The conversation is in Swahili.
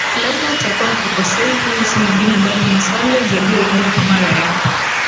Fleva utakuwa hukosei Huyu si mwingine bali ni Saleh Jabir ambaye kwa mara ya